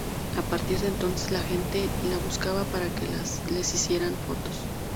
A partir de entonces la gente la buscaba para que les hiciera fotos.